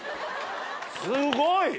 すごい！